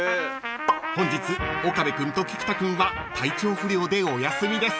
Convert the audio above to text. ［本日岡部君と菊田君は体調不良でお休みです］